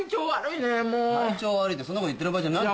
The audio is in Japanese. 体調悪いってそんなこと言ってる場合じゃない。